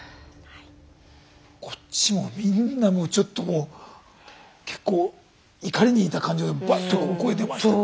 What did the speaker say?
こっちもみんなもうちょっとこう結構怒りに似た感情でバッと声出ましたけど。